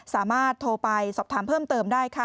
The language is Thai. สามารถโทรไปสอบถามเพิ่มเติมได้ค่ะ